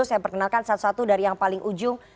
saya perkenalkan satu satu dari yang paling ujung